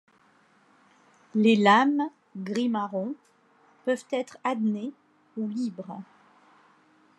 Les lames, gris-marron, peuvent être adnées ou libres.